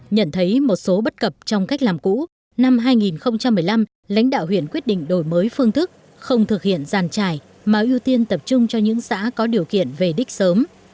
nhận thấy một số bất cập trong cách làm cũ năm hai nghìn một mươi năm lãnh đạo huyện quyết định đổi mới phương thức không thực hiện giàn trải mà ưu tiên tập trung cho những xã có điều kiện về đích sớm